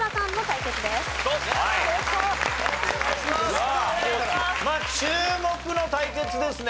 さあ注目の対決ですね。